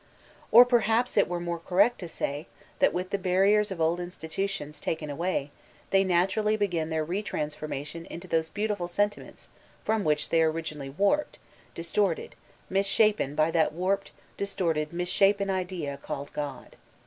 Or perhaps it were more correct to say, that, with the barriers of old institutions taken away, they naturally begin their retransformation into those beautiful sentiments from which they were originally warped, distorted, misshapen by that warped, distorted, misdiapen idea called God.